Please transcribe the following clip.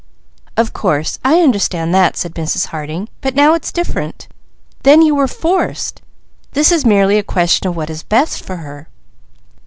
"Of course I understand that," said Mrs. Harding, "but now it's different. Then you were forced, this is merely a question of what is best for her.